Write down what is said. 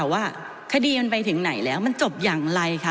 ว่าคดีมันไปถึงไหนแล้วมันจบอย่างไรคะ